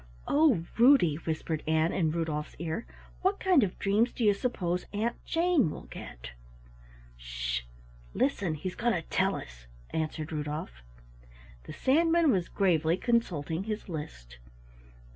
"Oh, Ruddy," whispered Ann in Rudolf's ear, "what kind of dreams do you suppose Aunt Jane will get?" "Sh! Listen, he's going to tell us," answered Rudolf. The Sandman was gravely consulting his list.